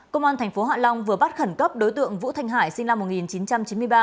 công an tp hạ long vừa bắt khẩn cấp đối tượng vũ thanh hải sinh năm một nghìn chín trăm chín mươi ba